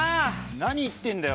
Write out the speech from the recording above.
何言ってんだよ。